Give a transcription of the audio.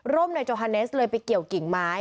ร่มนายโจฮันเนสเลยไปเกี่ยวกิ่งไม้